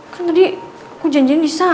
kan tadi aku janjian di sana